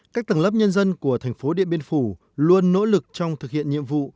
các tầng lớp nhân dân của thành phố điện biên phủ luôn nỗ lực trong thực hiện nhiệm vụ